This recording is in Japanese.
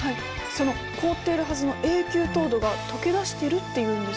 その凍っているはずの永久凍土が溶け出してるっていうんです。